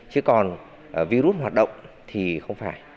chứ còn virus hoạt động thì không phải